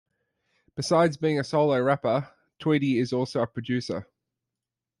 Besides being a solo rapper, Tweedy is also a producer.